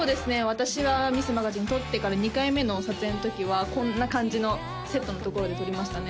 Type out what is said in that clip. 私はミスマガジン取ってから２回目の撮影のときはこんな感じのセットのところで撮りましたね